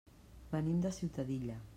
Venim de Ciutadilla.